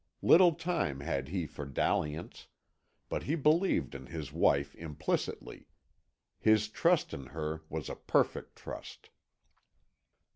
Little time had he for dalliance; but he believed in his wife implicitly. His trust in her was a perfect trust.